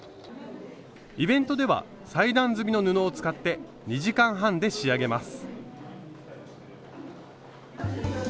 イベントでは裁断済みの布を使って２時間半で仕上げます。